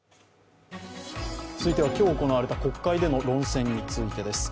続いては今日行われた国会での論戦についてです。